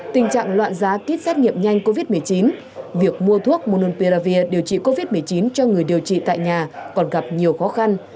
tình trạng loạn giá kýt xét nghiệm nhanh covid một mươi chín việc mua thuốc mun perravir điều trị covid một mươi chín cho người điều trị tại nhà còn gặp nhiều khó khăn